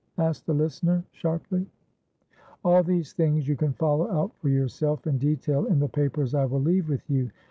asked the listener, sharply. "All these things you can follow out for yourself in detail in the papers I will leave with you.